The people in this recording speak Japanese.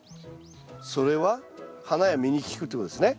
それは花や実に効くってことですね。